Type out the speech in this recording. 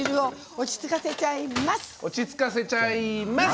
落ち着かせちゃいます！